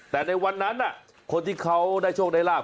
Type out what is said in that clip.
แต่ในวันนั้นคนที่เขาได้โชคได้ราบ